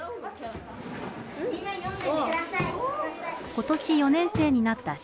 今年４年生になった新太。